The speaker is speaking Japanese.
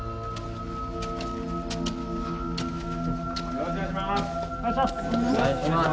よろしくお願いします。